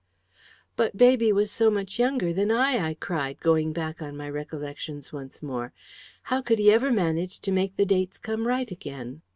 "But baby was so much younger than I!" I cried, going back on my recollections once more. "How could he ever manage to make the dates come right again?"